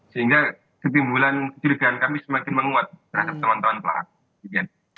sehingga ketimbulan kecurigaan kami semakin menguat terhadap teman teman pelaku